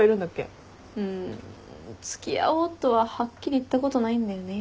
うん付き合おうとははっきり言ったことないんだよね。